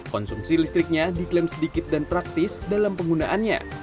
konsumsi listriknya diklaim sedikit dan praktis dalam penggunaannya